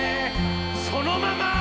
そのまま。